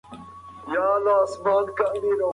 د کابل په سیند کي د اوبو کچه سږ کال لوړه سوې ده.